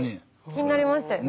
気になりましたよね。